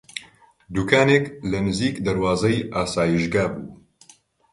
دووکانێک لە نزیک دەروازەی ئاسایشگا بوو